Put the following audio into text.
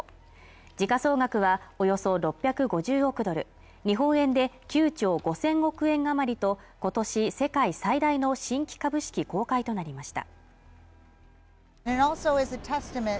時価総額はおよそ６５０億ドル日本円で９兆５０００億円余りとことし世界最大の新規株式公開となりました